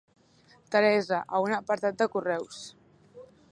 Teresa, a un apartat de correus.